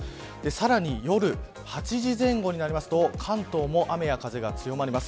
さらに夜８時前後になりますと関東も雨や風が強まります。